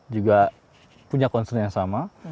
juga punya concern yang sama